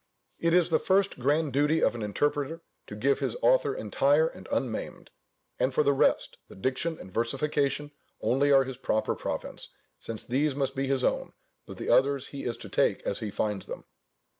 It is the first grand duty of an interpreter to give his author entire and unmaimed; and for the rest, the diction and versification only are his proper province, since these must be his own, but the others he is to take as he finds them.